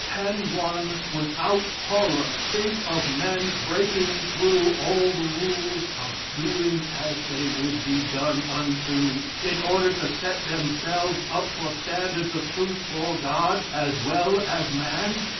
Can one, without horror, think of men's breaking through all the rules of doing as they would be done unto, in order to set themselves up for standards of truth for God as well as man?